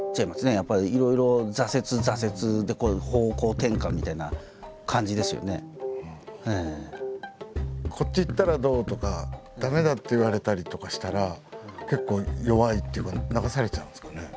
やっぱりいろいろ「こっちいったらどう？」とか「駄目だ」って言われたりとかしたら結構弱いっていうか流されちゃうんですかね。